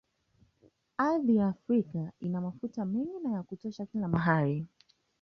Ardhi ya Afrika ina mafuta mengi na ya kutosha kila mahali